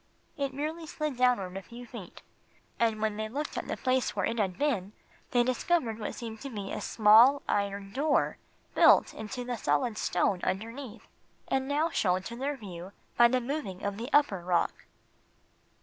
It merely slid downward a few feet, and when they looked at the place where it had been they discovered what seemed to be a small iron door, built into the solid stone underneath, and now shown to their view by the moving of the upper rock.